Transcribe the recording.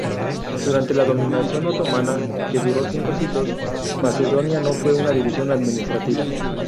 Durante la dominación otomana, que duró cinco siglos, Macedonia no fue una división administrativa.